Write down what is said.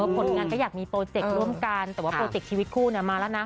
ผลงานก็อยากมีโปรเจคร่วมกันแต่ว่าโปรเจกต์ชีวิตคู่มาแล้วนะ